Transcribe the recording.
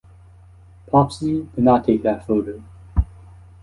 Popsie did not take that photo.